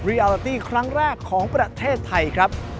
อาราตี้ครั้งแรกของประเทศไทยครับ